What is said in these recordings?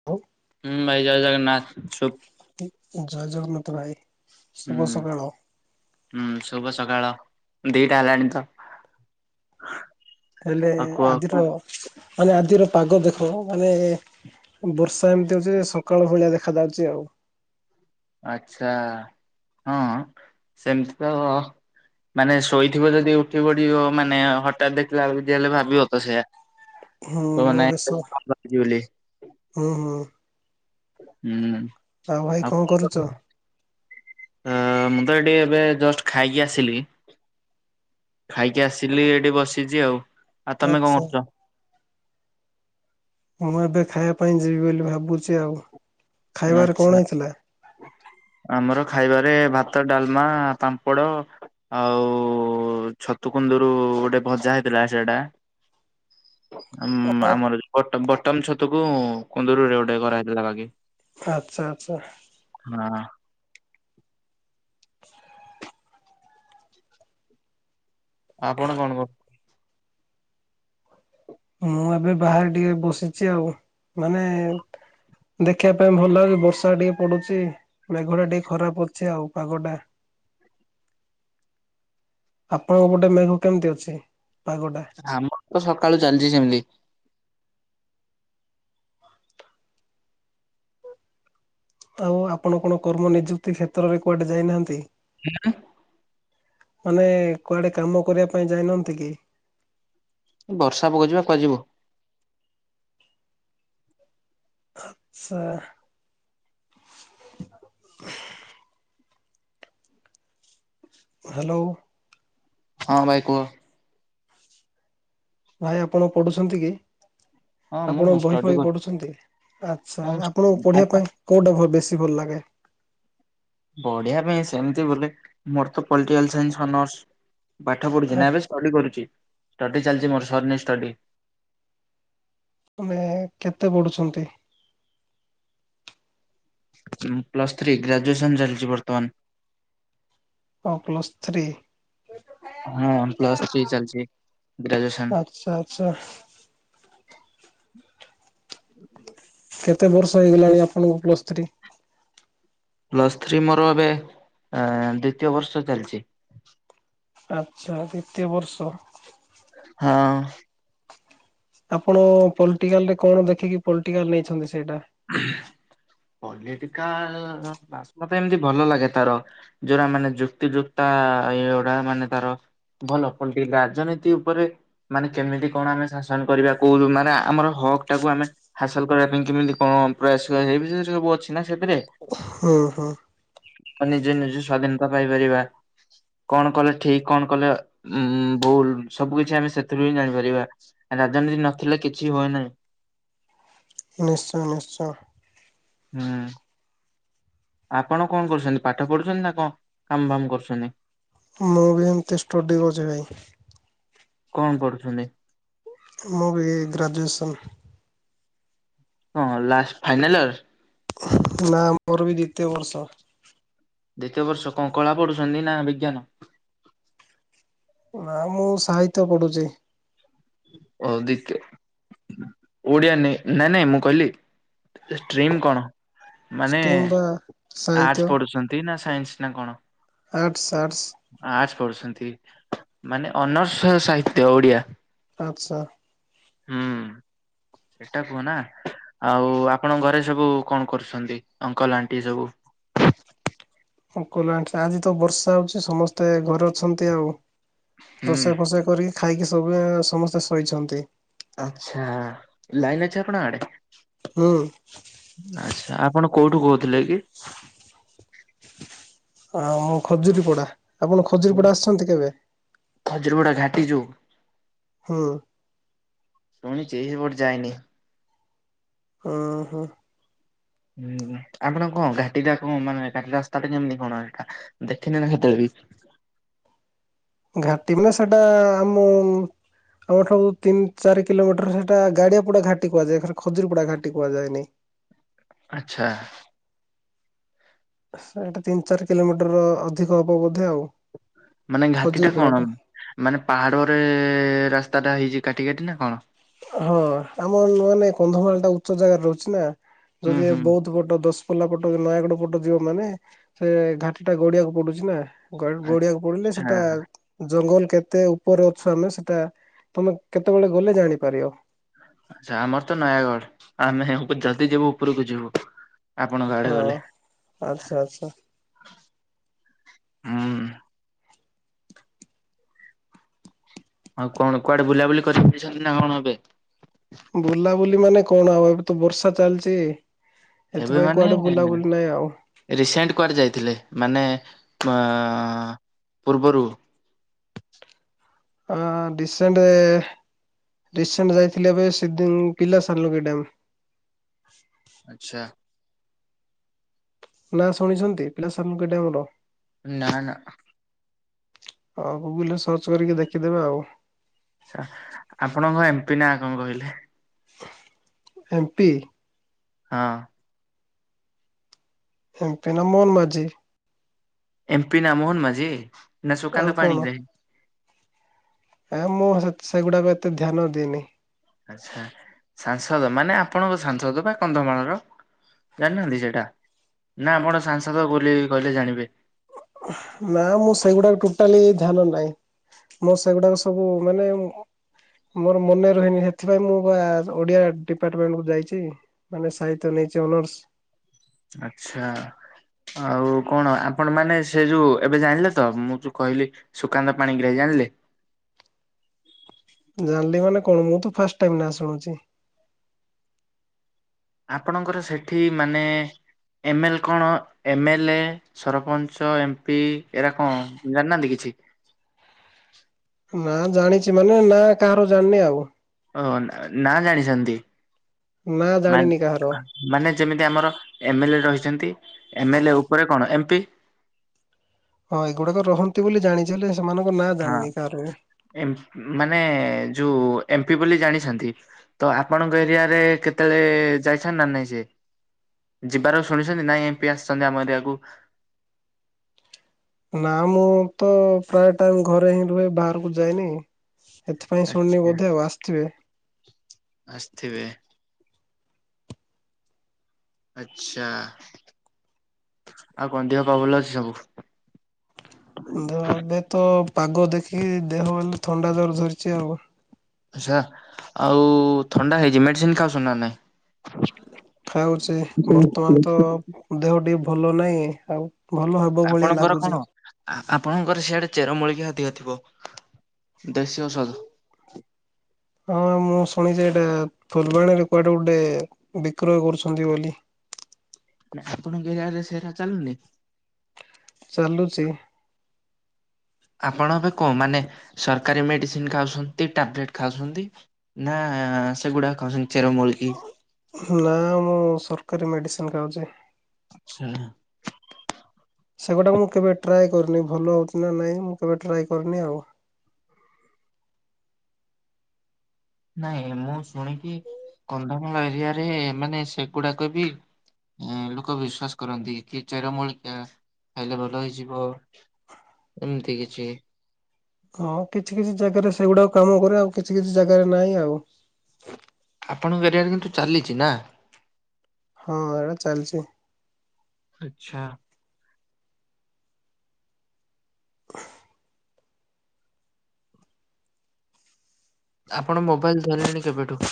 [unintelligible] ହୁଁ ଭାଇ ଜୟ ଜଗନ୍ନାଥ। ସୁ ଜୟ ଜଗନ୍ନାଥ ଭାଇ। ହୁଁ ଶୁଭ ସକାଳ ହୁଁ ଶୁଭ ସକାଳ ଦିଟା ହେଲାଣି ତ। ହେଲେ ଆଉ କୁହ କୁହ ଆଜିର ମାନେ ଆଜିର ପାଗ ଦେଖ ମାନେ ବର୍ଷା ଏମିତିଆ ଯେ ସକାଳ ଭଳିଆ ଦେଖା ଯାଉଚି ଆଉ। ଆଚ୍ଛା ହଁ ସେମିତି ତ ମାନେ ଶୋଇଥିବ ଯଦି ଉଠି ପଡିବ ମାନେ ହଠାତ୍ ଦେଖିଲା ବେଳକୁ ଯିଏ ହେଲେ ଭାବିବ ତ ସେଇଆ। ହୁଁ ମୁଁ ଏବେ ସ [unintelligible] ବୋଲି। ହୁଁ ହୁଁ। ହୁଁ ଆଉ ଭାଇ ଆ କଣ କରୁଛ? ହୁଁ ମୁଁ ତ ଏଠି ଏବେ ଜଷ୍ଟ ଖାଇକି ଆସିଲି। ଖାଇକି ଆସିଲି ଏଠି ବସିଛି ଆଉ ଆଉ ତମେ ଆଚ୍ଛା। କଣ କରୁଛ? ମୁଁ ଏବେ ଖାଇବା ପାଇଁ ଯିବି ବୋଲି ଭାବୁଛି ଆଉ ଖାଇବାରେ ଆଚ୍ଛା। କଣ ହେଇଥିଲା? ଆମର ଖାଇବାରେ ଭାତ ଡାଲମା ପାମ୍ପଡ ଆଉ ଛତୁ କୁନ୍ଦୁରୁ ଗୋଟେ ଭଜା ହେଇଥିଲା ସେଟା ଆମର ବଟମ ଛତକୁ କୁନ୍ଦରୁ ରେ ଗୋଟେ କରାହେଇଥିଲା ବାକି ଆ ସା ଆ ସା ହଁ। [inaudible] ଆପଣ କଣ କରୁ ମୁଁ ଏବେ ବାହାରେ ଟିକେ ବସିଛି ଆଉ ମାନେ ଦେଖିବା ପାଇଁ ଭଲ ଲେ ବର୍ଷା ଟିକେ ପଡୁଛି ମେଘ ଟା ଟିକେ ଖରାପ ଅଛି ଆଉ ପାଗ ଟା। ଆପଣଙ୍କ ଗୋଟେ ମେଘ କେମିତି ଅଛି ପାଗଟା। ଆମର ତ ସକାଳୁ ଚାଲିଛି ସେମିତି ଆଉ ଆପଣ କଣ କର୍ମ ନିଯୁକ୍ତି କ୍ଷେତ୍ରରେ କୁଆଡେ ଯାଇନାହାନ୍ତି। ହଁ। ମାନେ କୁଆଡେ କାମ କରିବା ପାଇଁ ଯାଇନାହାନ୍ତି କି? ବର୍ଷା ପକ ଯିବା କୁହାଯିବ। ଆଚ୍ଛା। [inaudible] ହାଲୋ। ହଁ ଭାଇ କୁହ। ଭାଇ ଆପଣ ପଢୁଛନ୍ତି କି? ହଁ ମୁଁ ଆପଣ ମୁଁ ବହି ଷ୍ଟଡି ବହି କରୁଛି ପଢୁଛନ୍ତି ଆଚ୍ଛା ହଁ ମୁଁ ଆପଣଙ୍କୁ ପଢିବା ଆଚ୍ଛା ପାଇଁ କୋଉଟା ବେଶୀ ଭଲ ଲାଗେ? ବଢଆ ପାଇଁ ସେମିତି ବୋଲେ ମୋର ତ ପଲିଟିକାଲ ସାଇନ୍ସର୍ସ ପାଠ ଆ ପଢୁଛି ନା ଏବେ ଷ୍ଟ କରୁଛିଷ୍ଟଡି ଚାଲିଛି ମୋର ସରନଁ ଷ୍ଟଡି ମାନେ କେତେ ପଢୁଛନ୍ତି? ମୁଁ ପ୍ଲସ ଥ୍ରୀ ଗ୍ରାଜୁଏସନ ଚାଲିଛି ବର୍ତ୍ତମାନ। ଓ ପ୍ଲସ୍ ଥ୍ରୀ ହଁ ୱ ପ୍ଲସ ଥ୍ରୀ ଚାଲିଛି ଗ୍ରାଜୁଏସନ। ଆଚ୍ଛା ଆଚ୍ଛା। କେତେ ବର୍ଷ ହେଇଗଲାଣି ଆପଣଙ୍କୁ ପ୍ଲସ୍ ଥ୍ରୀ? ପ୍ଲସ୍ ଥ୍ରୀ ମୋର ଏବେ ଦ୍ଵିତୀୟ ବର୍ଷ ଚାଲିଛି। ଆଚ୍ଛା ଦ୍ୱିତୀୟ ବର୍ଷ। ହଁ। ଆପଣ ପଲିଟିକାଲ ରେ କଣ ଦେଖିକି ପଲିଟିକାଲ ନେଇଛନ୍ତି ସେଇଟା ପଲିଟିକାଲ ବାସ ମତେ ଏମତି ଭଲ ଲାଗେ ତାର ଯୋଉଟା ମାନେ ଯୁକ୍ତି ଯୁକ୍ତାଗଡା ମାନେ ତାର। ଭଲ କଣ ଟିକେ ରାଜନୀତି ଉପରେ ମାନେ କେମିତି କଣ ଆମେ ଶାସନ କରିବା କହୁ ମାନେ ଆମର ହକ୍ ଟାକୁ ଆମେ ହାସଲ କରିବା ପାଇଁ କେମିତି କଣ ପ୍ରୟାସ ସେଇ ବିଷୟରେ ସବୁ ଅଛି ନା ସେଥିରେ ହୁଁ ହୁଁ ତ ନିଜେ ନିଜେ ସ୍ଵାଧୀନତା ପାଇପାରିବା। କଣ କଲେ ଠିକ କଣ କଲେ ଉ ଭୁଲ ସବୁ କିଛି ଆମେ ସେଥିରୁ ହିଁ ଜାଣିପାରିବା। ରାଜନୀତି ନଥିଲେ କିଛି ହୁଏ ନାହିଁ। ନିଶ୍ଚୟ ନିଶ୍ଚୟ। ହୁଁ। ଆପଣ କଣ କରୁଛନ୍ତି ପାଠ ପଢୁଛନ୍ତି ନା କଣ କାମ ବାମ କରୁଛନ୍ତି। ମୁଁ ବି ଏମିତି ଷ୍ଟୁଡ଼ି ଅଛି ଭାଇ। କଣ କରୁଛନ୍ତି? ମୁଁ ବି ଏଇ ଗ୍ରାଜୁଏସନ୍। ହଁ ଲାଷ୍ଟ ଫାଇନାଲ ଇଅର? ନା ମୋର ବି ଦ୍ବିତୀୟ ବର୍ଷ। ଦ୍ୱିତୀୟ ବର୍ଷ କଣ କଳା ପଢୁଛନ୍ତି ନା ବିଜ୍ଞାନ? ନା ମୁଁ ସାହିତ୍ୟ ପଢୁଛି। ଓ ଦ୍ବିତ୍ ଓଡ଼ିଆ ନେ-ନାଇଁ ନାଇଁ ମୁଁ କହିଲି ଷ୍ଟ୍ରିମ କଣ? ମାନେ ଷ୍ଟ୍ରିମ୍ ବା ସାହିତ୍ୟ ଆର୍ଟସ ପଢୁଛନ୍ତି ନା ସାଇନ୍ସ୍ ନା କଣ? Arts arts. ଆର୍ଟସ୍ ପଢୁଛନ୍ତି ମାନେ ଅନର୍ସ ସାହିତ୍ୟ ଓଡ଼ିଆ। ଆଚ୍ଛା। ସେଇଟା କୁହନା ଆଉ ଆପଣଙ୍କ ଘରେ ସବୁ କଣ କରୁଛନ୍ତି ଅଙ୍କଲ, ଆଣ୍ଟି ସବୁ? ହୁଁ ଖୋଲା ଅଛି ଆଜି ତ ବର୍ଷା ହଉଛି ସମସ୍ତେ ଘରେ ଅଛନ୍ତି ଆଉ। ହୁଁ ରୋଷେଇ ଫୋଷେଇ କରିକି ଖାଇକି ସବୁ ଏଁ ସମସ୍ତେ ଶୋଇଛନ୍ତି। ଆଚ୍ଛା ଲାଇନ୍ ଅଛି ଆପଣଙ୍କ ଆଡେ? ହୁଁ ଆଚ୍ଛା ଆପଣ କୋଉଠୁ କହୁଥିଲେ କି? ଆମ ଖଜୁରୀପଡା। ଆପଣ ଖଜୁରୀପଡା ଆସିଛନ୍ତି କେବେ? ଖଜୁରୀପଡା ଘାଟି ଯୋଉ? ହୁଁ। ଶୁଣିଚି ବଟ ଯାଏନି। ହୁଁ ହୁଁ। ହୁଁ ଆପଣ କଣ ଘାଟି ଟା କଣ ମାନେ ଘାଟି ରାସ୍ତା ଟା ଯେମିତି କଣ ଏଇଟା ଦେଖିନ ନା କେତେବେଳେ ବି? ଘାଟି ରାସ୍ତାଟା ଆମ ଆମ ଠାରୁ ତିନ୍ ଚାରି କିଲୋମିଟର ସେଇଟା ଗାଡିଆ ପଡା ଘାଟି କୁହାଯାଏ [unintelligible] ଖଜୁରୀପଡା ଘାଟି କୁହାଯାଏନି। ଆଚ୍ଛା। ସେଇଟା ତିନି ଚାରି କିଲୋମିଟର ର ଅଧିକ ହବ ବୋଧେ ଆଉ। ମାନେ ଘାଟି ଟା କଣ? ଖଜୁରୀପଡାଠୁ ମାନେ ପାହାଡରେ ରାସ୍ତା ଟା ହେଇଚି କାଟି କାଟି ନା କଣ? ହଁ ଆମ ନୂଆ ନାଇଁ କନ୍ଧମାଳ ଟା ଉଚ୍ଚ ଜାଗାରେ ରହୁଚି ନା ହୁଁ ଯଦି ହୁଁ ବୌଦ୍ ପଟ ଦଶପଲ୍ଲା ପଟେ ନୟାଗଡ ପଟେ ଯିବ ମାନେ ସେ ଘାଟି ଟା ଗଡିଆକୁ ପଡୁଛି ନା। ଗା-ଗଡିଆକୁ ପଡିଲେ ଆଚ୍ଛା ସେଟା ଜଙ୍ଗଲ କେତେ ଉପରେ ଅଛୁ ଆମେ ସେଟା ତମେ କେତେବେଳେ ଗଲେ ଜାଣିପାରିବ। ଆଚ୍ଛା ଆମର ତ ନୟାଗଡ ଆମେ ଯଦି ଯିବୁ ଉପୁରୁକୁ ଯିବୁ। ଆପଣଙ୍କ ଆଡେ ହଁ ଗଲେ। ଆଚ୍ଛା ଆଚ୍ଛା। ହୁଁ। ଆଉ କଣ କୁଆଡେ ବୁଲା ବୁଲି କରି ଯାଇଛନ୍ତି ନା କଣ ଏବେ? ବୁଲା ବୁଲି ମାନେ କଣ ଆଉ ଏବେ ତ ବର୍ଷା ଚାଲଚି। ଏବେ ଏଥିପାଇଁ ମାନେ କୁଆଡେ ବୁଲା ବୁଲି ନାଇଁ ଆଉ। ରିସେଣ୍ଟ କୁଆଡେ ଯାଇଥିଲେ ମାନେ ଅଁ ପୂର୍ବରୁ? ଅ ଡିସେଣ୍ଟ ରିସେଣ୍ଟ ଯାଇଥିଲି ଏବେ ସିଦି ଉଁ ପିଲା ସାଲୁକି ଡ୍ୟାମ୍। ଆଚ୍ଛା। ନାଁ ଶୁଣିଛନ୍ତି ପିଲା ସାଲୁକେ ଡ୍ୟାମ ର? ନା ନା। ଅ ଗୁଗୁଲ୍ ରେ ସର୍ଚ୍ଚ କରିକି ଦେଖିଦେବେ ଆଉ। ଆଚ୍ଛା ଆପଣଙ୍କ ଏମ୍ ପି ନାଁ କଣ କହିଲେ? M P? ହଁ। ଏମପି ନା ମୋହନ ମାଝି। ଏମ୍ପି ନା ମୋହନ ମାଝି ନା ଆଉ ସୁକନ୍ତ କଣ ପାଣିଗ୍ରାହି। ଏ ମୁଁ ସେଗୁଡାକୁ ଏତେ ଧ୍ୟାନ ଦିନି। ଆଚ୍ଛା ସାଂସଦ ମାନେ ଆପଣଙ୍କ ସାଂସଦ ବା କନ୍ଧମାଳର। ଜାଣିନାହାନ୍ତି ସେଇଟା ନା ଆପଣ ସାଂସଦ ବୋଲି କହିଲେ ଜାଣିବେ। ନା ମୁଁ ସେଇଗୁଡାକ ଟୋଟାଲି ଧ୍ୟାନ ନାହିଁ। ମୋ ସେଗୁଡାକ ସବୁ ମାନେ ମୋର ମନେ ରହିନି ସେଥିପାଇଁ ମୁଁ ବା ଓଡିଆ ଡିପାର୍ଟମେଣ୍ଟ କ ଯାଇଛି। ମାନେ ସହିତ୍ୟ ନେଇଛି ଅନର୍ସ ଆଚଛା। ଆଉ କଣ ଆପଣ ମାନେ ସେ ଯୋଉ ଏବେ ଜାଣିଲେ ତ ମୁଁ ଯୋଉ କହିଲି ସୁକାନ୍ତ ପାଣିଗ୍ରାହ ଜାଣିଲେ? ଜାଣିଲି ମାନେ କଣ ମୁଁ ତୁ ଫାଷ୍ଟ ଟାଇମ ନା ଶୁଣୁଛି। ଆପଣଙ୍କର ସେଠି ମାନେ ଏମଏଲ କଣ ଏମଏଲଏ ସରପଞ୍ଚ ଏମ ପି ଏରା କଣ ଜାଣିନାହାନ୍ତି କିଛି? ନା ଜାଣିଛି ମାନେ ନା କାହାର ଜାଣିନି ଆଉ। ଓ ନା ଜାଣିଛନ୍ତି ନା ଜାଣିନି କାହାର। ମାନେ ଯେମିତି ଆମର ଏମଏଲ ଏ ରହିଛନ୍ତି ଏମଏଲ ଏ ଉପରେ କଣ ଏମ ପି ହଁ ଏଗୁଡାକ ରହନ୍ତି ବୋଲି ଜାଣିଛି ହେ ସେମାନଙ୍କ ନାଁ ହଁ ଜାଣିନି କାହାର ମାନେ ଯୋଉ ଏମପି ବୋଲି ଜାଣିଛନ୍ତି ତ ଆପଣଙ୍କ ଏରିଆରେ କେତେବେଳେ ଯାଇଛ ନା ନାଇଁ ସେ ଯିବାର ଶୁଣିଛନ୍ତି ନାଇଁ ଏମିତି ଆସିଛନ୍ତି ଆମ ଏରିଆକୁ ନା ମୁଁ ତ ପ୍ରାୟ ଟାଇମ ଘରେ ହିଁ ରୁହେ ବାହାରକୁ ଯାଇନି ଏଥିପାଇଁ ଶୁଣିନି ଆଚ୍ଛା। ବୋଧେ ଆଉ ଆସିଥିବେ। ଆସିଥିବେ। ଆଛା ଆଉ କଣ ଦେହ ପା ଭଲ ଅଛି ସବୁ? ଦେହ ଏବେ ତ ପାଗ ଦେଖି ଦେହ ହେଲେ ଥଣ୍ଡା ଜର ଧରିଛି ଆଉ। ଆଛା ଆଉ ଥଣ୍ଡା ହେଇଛି ମେଡିସିନ ଖାଉସୁ ନା ନାଇଁ ଖାଉଛି ବର୍ତ୍ତମାନ ତ ଦେହ ଟିକେ ଭଲ ନାହିଁ ଆଉ ଭଲ ହବ ଭଳିଆ ଆପଣଙ୍କ ଘର ଲାଗୁଛି। କଣ ଆପଣଙ୍କର ସିଆଡେ ଚେରମୂଳିକିାଦିହ ଥିବ ଦେଶୀ ଔଷଧ ହଁ ମୁଁ ଶୁଣିଛି ଏଇଟା ଫୁଲବାଣୀରେ କୁଆଡେ ଗୋଟେ ବିକ୍ରୟ କରୁଛନ୍ତି ବୋଲି ନା ଆପଣଙ୍କ ଏରିଆରେ ସେରାା ଚାଲୁନି ଚାଲୁଛି ଆପଣ ଏବେ କଣ ମାନେ ସରକାରୀ ମେଡିସିନ ଖାଉଛନ୍ତି ଟବଲେଟ ଖାଉଛନ୍ତି ନା ସେଗୁଡ଼ା କ ଚର ମୂଲ କିି ନା ମୁଁ ସରକାରୀ ମେଡିସିନ ଖାଉଛି ଆଛା ସେଗୁଡାକ ମୁଁ କେବେ ଟ୍ରାଏ କରୁନି ଭଲ ହଉଛି ନା ନାଇଁ ମୁଁ କେବେ ଟ୍ରାଏ କରିୁନି ଆଉ ନାଇଁ ମୁଁ ଶୁଣିକି କନ୍ଧମାଳ ଏରିଆ ରେ ମାନେ ସେଗୁଡାକ ବିି ଲୋକ ବିଶ୍ଵାସ କରନ୍ତି କି ଚେର ମୂଳିକା ଖାଇଲେ ଭଲ ହେଇଯିବ ଏମିତି କିଛି ହଁ କିଛି କିଛି ଜାଗାରେ ସେଗୁଡାକ କାମ କରେ ଆଉ କିଛି କିଛି ଜାଗାରେ ନାହିଁ ଆଉ ଆପଣଙ୍କ ଏରିଆଡ଼ କିନ୍ତୁ ଚାଲିଛି ନା ହଁ ଏଇଟା ଚାଲିଛି ଆଚଛା ଆପଣ ମୋବାଇଲ ଧରିଲେଣି କେବେଠୁ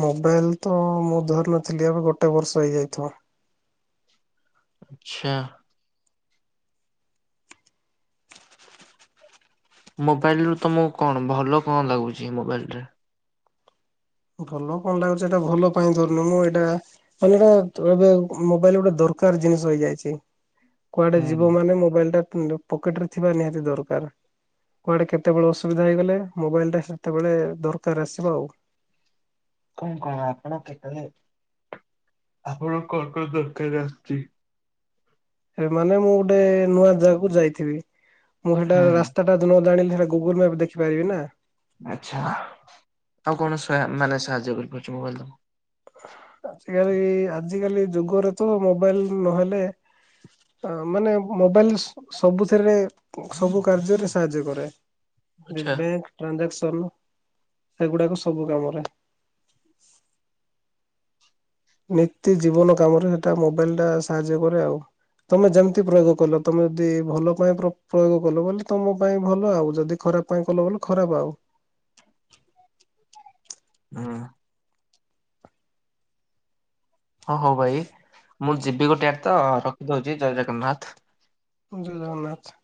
ମୋବାଇଲ ତ ମୁଁ ଧରିନଥିଲି ଏବେ ଗୋଟେ ବର୍ଷ ହେଇଯାଇଥିବ ଆଛା ମୋବାଇଲ ରୁ ତମକୁ କଣ ଭଲ କଣ ଲାଗୁଛି ମୋବାଇଲ ରେ? ଭଲ କଣ ଲାଗୁଚି ଏଟା ଭଲ ପାଇଁ ଝରଣମ ଏଟା। [unintelligible] ଏବେ ମୋବାଇଲ ଗୋଟେ ଦରକାର ଜିନିଷ ହେଇଯାଇଛି। କୁଆଡେ ହୁଁ ଯିବ ମାନେ ମୋବାଇଲ ଟା ପକେଟ ରେ ଥିବା ନିହାତି ଦରକାର। କୁଆଡ଼େ କେତେବେଳେ ଅସୁବିଧା ହେଇଗଲେ ମୋବାଇଲଟା ସେତେବେଳେ ଦରକାର ଆସିବ ଆଉ। କଣ କଣ ଆପଣ କେତଳେ ଆପଣ କଣ କଣ ଦରକାର ରେ ଆସୁଚି? ମାନେ ମୁଁ ଗୋଟେ ନୂଆ ଜାଗାକୁ ଯାଇଥିବି ମୁଁ ସେଟା ହୁଁ ରାସ୍ତା ହଟାତ୍ ନ ଜଣିଲେ ସେଟା ଗୁଗୁଲ ମ୍ୟାପ ଦେଖିପାରିବି ନା। ଆଛା ଆଉ କଣ ସୋୟା ମାନେ ସାହାର୍ଯ୍ୟ କରିପାରୁଚି ମୋବାଇଲ ତମ ଆଜିକାଲି ଆଜିକାଲି ଯୁଗରେ ତ ମୋବାଇଲ ନହେଲେ ଅ ମାନେ ମୋବାଇଲ ସ ସବୁଥିରେ ସବୁ କାର୍ଯ୍ୟରେ ସାହାର୍ଯ୍ୟ କରେ। ଆଚ୍ଛା ବି-ବ୍ୟାଙ୍କ ଟ୍ରାଞ୍ଜାକ୍ସନ ସେଗୁଡାକ ସବୁ କାମରେ। ନିତ୍ୟ ଜୀବନ କାମରେ ସେଟା ମୋବାଇଲ ଟା ସାହାଯ୍ୟ କରେ ଆଉ। ତମେ ଯେମିତି ପ୍ରୟୋଗ କଲ ତମେ ଯଦି ଭଲ ପାଇଁ ପ୍ର-ପ୍ରୟୋଗ କଲ ଭଲ ତମ ପାଇଁ ଭଲ ଆଉ ଯଦି ଖରାପ ପାଇଁ କଲ ବଲ ଖରାପ ଆଉ। ହଁ। ହଁ ହଉ ଭାଇ ମୁଁ ଯିବି ଗୋଟେ ଆଟ୍ ତ ରଖିଦଉଚି ଜୟ ଜଗନ୍ନାଥ। ଜୟ ଜଗନ୍ନାଥ।